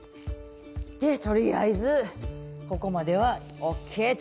でとりあえずここまではＯＫと。